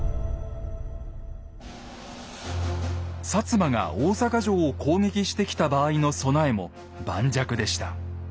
摩が大坂城を攻撃してきた場合の備えも盤石でした。